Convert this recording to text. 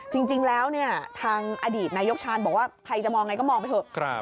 จริงแล้วทางอดีตนายกชาญบอกว่าใครจะมองไงก็มองไปเถอะ